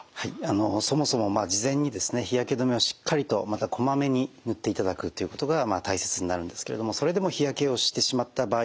そもそもまあ事前にですね日焼け止めをしっかりとまたこまめに塗っていただくということが大切になるんですけれどもそれでも日焼けをしてしまった場合ですね